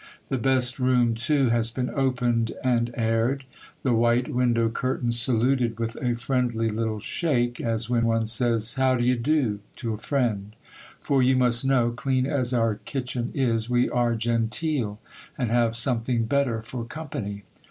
The best room, too, has been opened and aired,—the white window curtains saluted with a friendly little shake, as when one says, 'How d'ye do?' to a friend; for you must know, clean as our kitchen is, we are genteel, and have something better for company.